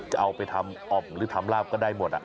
จะเอาไปทำออมลืดทำราบก็ได้หมดอ่ะ